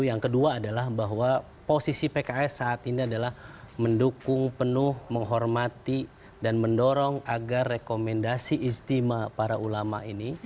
yang kedua adalah bahwa posisi pks saat ini adalah mendukung penuh menghormati dan mendorong agar rekomendasi istimewa para ulama ini